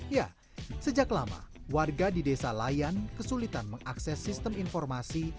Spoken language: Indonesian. ya sejak lama warga di desa layan kesulitan mengakses sistem informasi